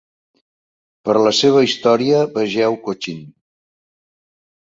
Per la seva història vegeu Cochin.